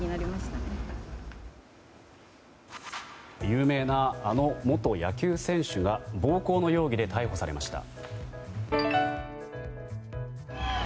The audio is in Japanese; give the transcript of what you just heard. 有名な、あの元野球選手が暴行の容疑で逮捕されました。